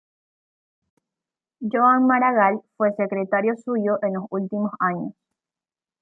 Joan Maragall fue secretario suyo en los últimos años.